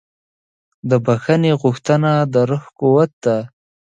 د بښنې غوښتنه د روح قوت ده.